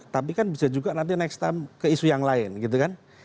tapi kan bisa juga nanti next time ke isu yang lain gitu kan